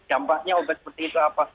dampaknya obat seperti itu apa